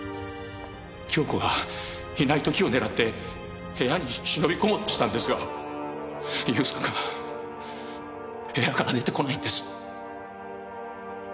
恭子がいない時を狙って部屋に忍び込もうとしたんですが勇作が部屋から出て来ないんです。